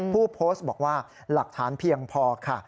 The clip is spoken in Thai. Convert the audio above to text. ผู้โพสต์บอกว่าหลักฐานเพียงพอค่ะ